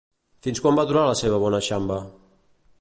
Fins quan va durar la seva bona xamba?